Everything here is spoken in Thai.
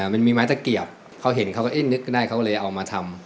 มันมีไม้ตะเกียบเขาเห็นเขาก็เอ๊ะนึกได้เขาก็เลยเอามาทำ